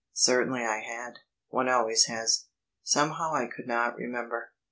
Certainly I had. One always has. Somehow I could not remember.